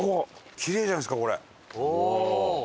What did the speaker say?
キレイじゃないですかこれ。